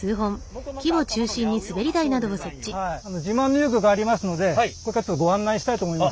自慢の遊具がありますのでこれからちょっとご案内したいと思います。